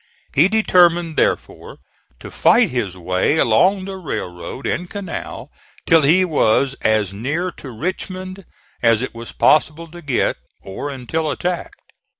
He determined therefore to fight his way along the railroad and canal till he was as near to Richmond as it was possible to get, or until attacked.